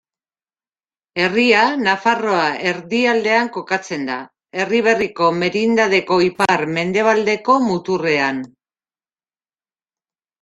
Herria, Nafarroa erdialdean kokatzen da, Erriberriko merindadeko ipar-mendebaldeko muturrean.